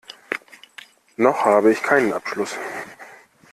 Noch habe ich keinen Abschluss.